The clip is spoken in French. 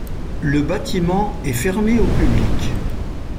Le bâtiment est fermé au public.